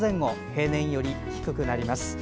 平年より低くなります。